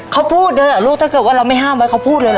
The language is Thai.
เขาพูดเลยเหรอลูกถ้าเกิดว่าเราไม่ห้ามไว้เขาพูดเลยเหรอ